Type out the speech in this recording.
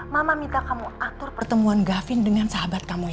mama udah gak ngerti lagi sama kamu